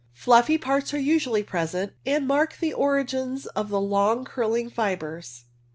Fluffy parts are usually present, and mark the origins of the long curling fibres.